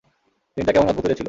দিনটা কেমন অদ্ভুতুড়ে ছিল!